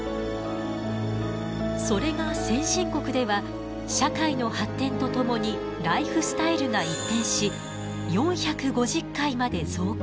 それが先進国では社会の発展とともにライフスタイルが一変し４５０回まで増加。